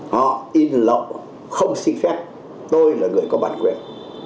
họ in lậu không xin phép tôi là người có bản quyền